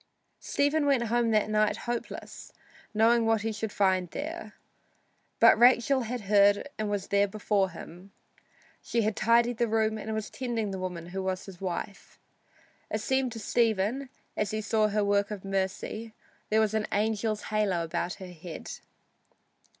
Stephen went home that night hopeless, knowing what he should find there. But Rachel had heard and was there before him. She had tidied the room and was tending the woman who was his wife. It seemed to Stephen, as he saw her in her work of mercy, there was an angel's halo about her head.